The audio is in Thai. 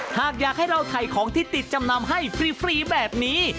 หากอยากให้เราถ่ายของที่ติดจำนำให้ฟรีแบบนี้